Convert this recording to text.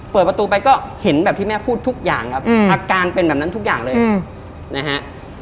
เปิดประตูไปก็เห็นแบบที่แม่พูดทุกอย่างครับอาการเป็นแบบนั้นทุกอย่างเลยนะฮะ